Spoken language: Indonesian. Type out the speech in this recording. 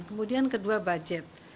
kemudian kedua budget